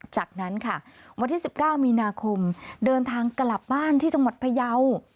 จากนั้นค่ะวันที่๑๙มีนาคมเดินทางกลับบ้านที่จังหวัดพยาว